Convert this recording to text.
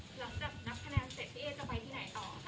หลังจากนับคะแนนเสร็จ